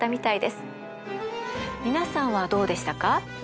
皆さんはどうでしたか？